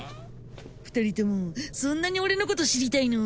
二人ともそんなに俺のこと知りたいの？